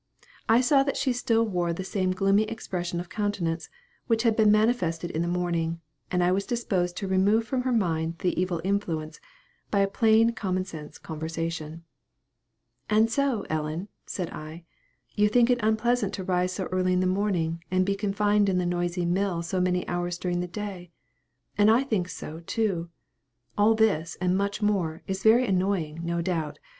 I saw that she still wore the same gloomy expression of countenance, which had been manifested in the morning; and I was disposed to remove from her mind the evil influence, by a plain common sense conversation. "And so, Ellen," said I, "you think it unpleasant to rise so early in the morning, and be confined in the noisy mill so many hours during the day. And I think so, too. All this, and much more, is very annoying, no doubt.